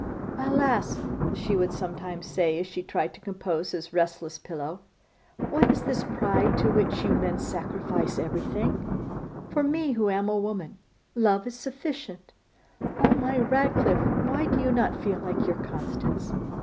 'Alas!' she would sometimes say as she tried to compose his restless pillow; 'what is this pride to which you men sacrifice everything? For me, who am a woman, love is sufficient. Oh! my Ratcliffe, why do you not feel like your Constance?